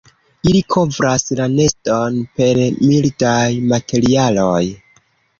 Ili kovras la neston per mildaj materialoj.